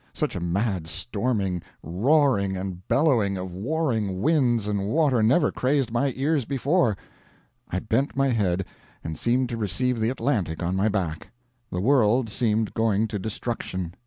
Such a mad storming, roaring, and bellowing of warring wind and water never crazed my ears before. I bent my head, and seemed to receive the Atlantic on my back. The world seemed going to destruction.